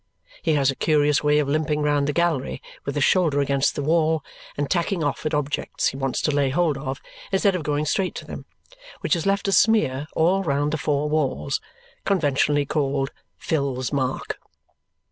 He has a curious way of limping round the gallery with his shoulder against the wall and tacking off at objects he wants to lay hold of instead of going straight to them, which has left a smear all round the four walls, conventionally called "Phil's mark."